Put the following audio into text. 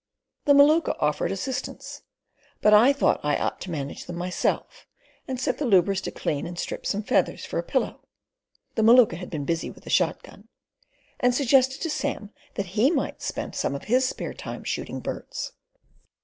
The Maluka offered assistance; but I thought I ought to manage them myself, and set the lubras to clean and strip some feathers for a pillow—the Maluka had been busy with a shot gun—and suggested to Sam that he might spend some of his spare time shooting birds.